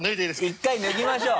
１回脱ぎましょう。